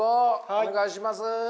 お願いします！